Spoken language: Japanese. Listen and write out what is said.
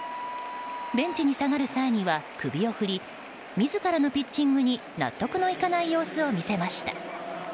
ベンチに下がる際には首を振り自らのピッチングに納得のいかない様子を見せました。